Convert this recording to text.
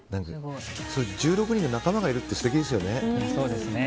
１６人の仲間がいるって素敵ですよね。